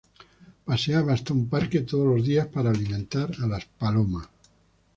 Paseaba hasta un parque todos los días para alimentar a las palomas.